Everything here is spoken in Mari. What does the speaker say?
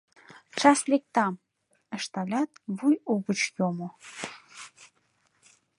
— Час лектам, — ышталят, вуй угыч йомо.